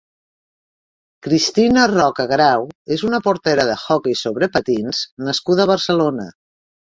Cristina Roca Grau és una portera d'hoquei sobre patins nascuda a Barcelona.